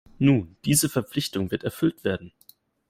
Nun, diese Verpflichtung wird erfüllt werden!